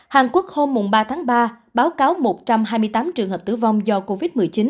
hàn quốc hôm ba tháng ba báo cáo một trăm hai mươi tám trường hợp tử vong do covid một mươi chín